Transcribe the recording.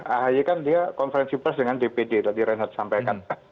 ahy kan dia konferensi pers dengan dpd tadi reinhardt sampaikan